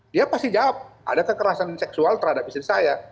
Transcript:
dia pasti jawab ada kekerasan seksual terhadap istri saya